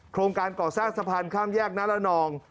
โครงการก่อสร้างสะพานข้ามแยกนาละนอง